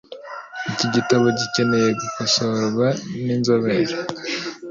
Iki gitabo gikeneye gukosorwa n’inzobere.